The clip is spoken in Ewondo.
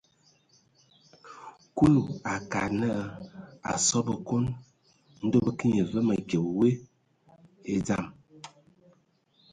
Kulu a akad naa, a asɔ a Bǝkon, ndɔ bə kə nye və mǝkyǝbe we e dzam.